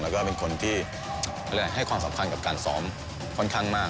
แล้วก็เป็นคนที่ให้ความสำคัญกับการซ้อมค่อนข้างมาก